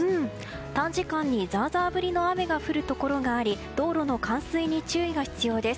短時間にザーザー降りの雨が降るところがあり道路の冠水に注意が必要です。